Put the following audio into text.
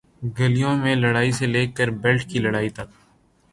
گلیوں میں لڑائی سے لے کر بیلٹ کی لڑائی تک،